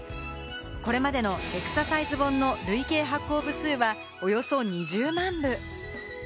これまでのエクササイズ本の累計発行部数は、およそ２０万部。